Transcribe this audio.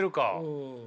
うん。